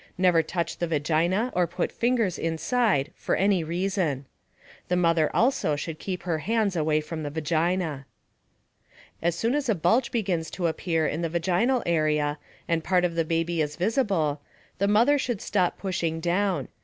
Never touch the vagina or put fingers inside for any reason. The mother also should keep her hands away from the vagina._ As soon as a bulge begins to appear in the vaginal area and part of the baby is visible, the mother should stop pushing down.